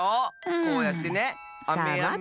こうやってねあめやめ。